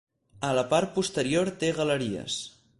A la part posterior té galeries.